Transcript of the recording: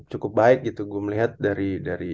cukup baik gitu gue melihat dari